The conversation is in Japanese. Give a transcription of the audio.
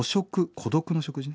孤独な食事ね。